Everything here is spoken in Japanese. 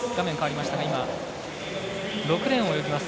６レーンを泳ぎます